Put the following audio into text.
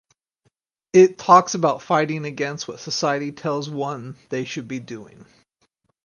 It talks about fighting against what society tells one they should be doing.